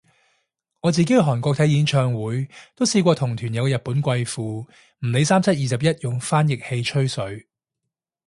我自己去韓國睇演唱會都試過同團有日本貴婦，唔理三七廿一用翻譯器照吹水